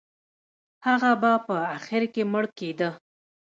هغه به په اخر کې مړ کېده.